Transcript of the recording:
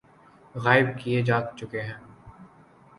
غائب کئے جا چکے ہیں